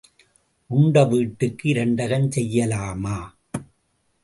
உண்ட வீட்டுக்கு இரண்டகம் செய்யலாமா?